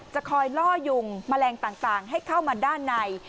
จะคอยล่อยุงแมลงต่างให้เข้ามาด้านใน